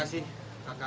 baik terima kasih